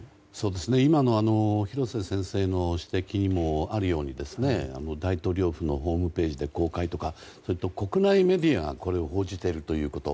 今の廣瀬先生の指摘にもあるように大統領府のホームページで公開とか国外メディアがこれを報じているということ。